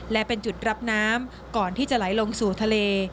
และเป็นจุดรับน้ำก่อนที่จะไหลลงสู่ทะเล